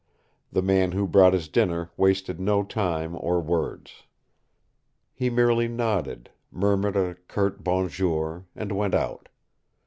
The man who brought his dinner wasted no time or words. He merely nodded, murmured a curt bonjour, and went out.